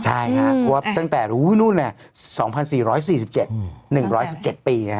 ใช่ครับเพราะว่าตั้งแต่๒๔๔๗ปีนะครับ